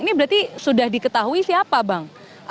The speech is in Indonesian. ini berarti sudah diketahui siapa bang